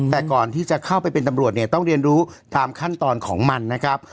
แต่ก่อนที่จะเข้าไปเป็นตำรวจเนี่ยต้องเรียนรู้ตามขั้นตอนของมันนะครับ